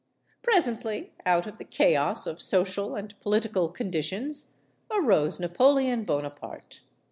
Presently, out of the chaos of social and political conditions, arose Napoleon Bonaparte.